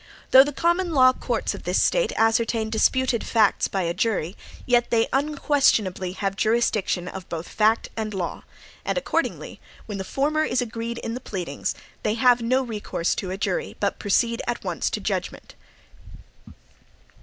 Though the common law courts of this State ascertain disputed facts by a jury, yet they unquestionably have jurisdiction of both fact and law; and accordingly when the former is agreed in the pleadings, they have no recourse to a jury, but proceed at once to judgment.